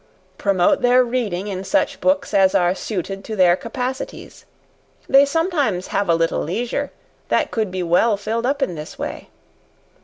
Promote their reading in such books as are suited to their capacities; they sometimes have a little leisure, that could be well filled up in this way.